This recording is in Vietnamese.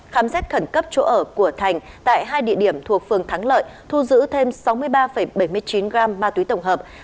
khám xét khẩn cấp chỗ ở của thành tại hai địa điểm thuộc phường thắng lợi thu giữ thêm sáu mươi ba bảy mươi chín gram ma túy tổng hợp